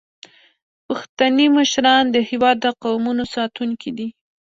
پښتني مشران د هیواد د قومونو ساتونکي دي.